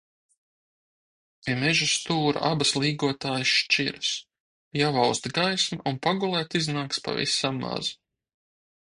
Pie meža stūra abas līgotājas šķiras, jau aust gaisma un pagulēt iznāks pavisam maz.